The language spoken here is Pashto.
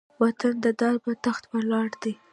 وطن د دار بۀ تخته ولاړ دی